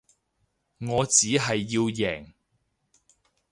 我只係要贏